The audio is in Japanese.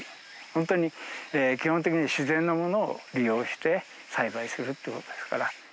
本当に基本的に自然のものを利用して栽培するということですから。